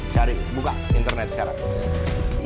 cari buka internet sekarang